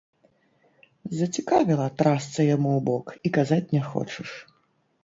Зацікавіла, трасца яму ў бок, і казаць не хочаш!